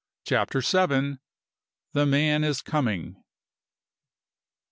CHAPTER VII. THE MAN IS COMING.